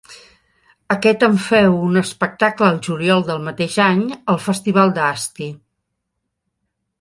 Aquest en feu un espectacle al juliol del mateix any al festival d'Asti.